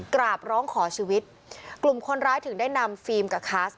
กราบร้องขอชีวิตกลุ่มคนร้ายถึงได้นำฟิล์มกับคัส